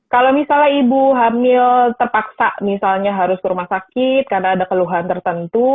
kalau misalnya ibu hamil terpaksa misalnya harus ke rumah sakit karena ada keluhan tertentu